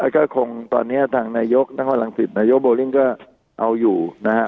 ก็คงตอนนี้ทางนายกนางควรลังศิษฐ์นายกโบริ่งก็เอาอยู่นะครับ